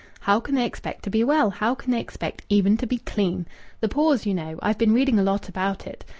How can they expect to be well? How can they expect even to be clean? The pores, you know. I've been reading a lot about it.